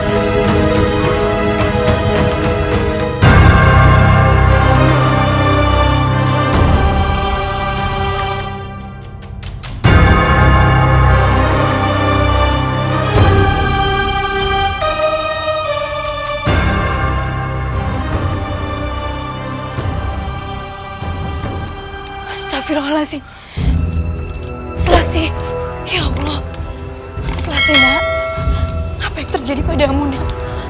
astagfirullahaladzim selasih ya allah selasih apa yang terjadi pada amunah